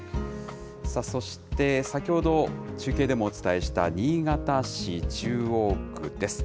そして先ほど中継でもお伝えした新潟市中央区です。